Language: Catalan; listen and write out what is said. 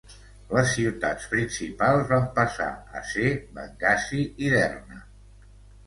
Les ciutats principals van passar a ser Benghazi i Derna.